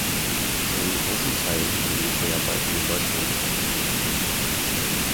Zu einem großen Teil fanden die Dreharbeiten in Deutschland statt.